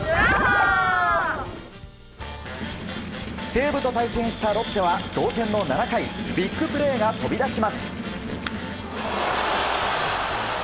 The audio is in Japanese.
西武と対戦したロッテは同点の７回ビッグプレーが飛び出します。